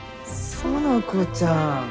園子ちゃん。